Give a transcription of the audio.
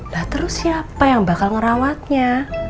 lah terus siapa yang bakal ngerawatnya